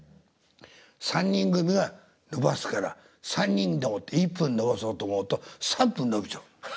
三人組が延ばすから３人でもって１分延ばそうと思うと３分延びちゃう。